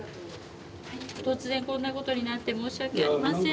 突然こんなことになって申し訳ありません。